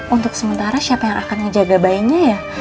untuk sementara siapa yang akan ngejaga bayinya ya